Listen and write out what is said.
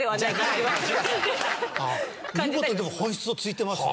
見事にでも本質を突いてますね。